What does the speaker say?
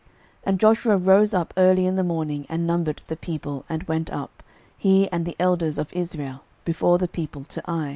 06:008:010 And Joshua rose up early in the morning, and numbered the people, and went up, he and the elders of Israel, before the people to Ai.